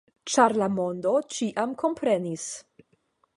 Ĉar la mondo ĉiam komprenis.